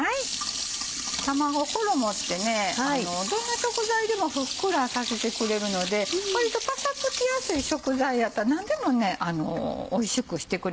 卵衣ってどんな食材でもふっくらさせてくれるので割とパサつきやすい食材やったらなんでもおいしくしてくれます。